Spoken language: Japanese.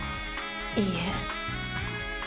いいえ。